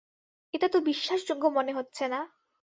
এটা তো বিশ্বাসযোগ্য মনে হচ্ছে না।